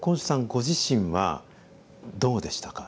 ご自身はどうでしたか？